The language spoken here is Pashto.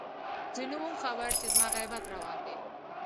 زه نه وم خبر چې زما غيبت روان دی